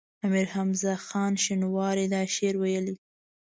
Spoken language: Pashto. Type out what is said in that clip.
امیر حمزه خان شینواری دا شعر ویلی.